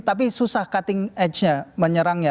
tapi susah cutting age nya menyerangnya